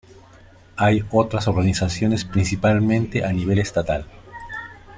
Hay otras organizaciones, principalmente a nivel estatal.